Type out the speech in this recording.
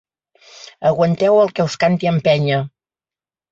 Aguanteu el que us canti en Penya.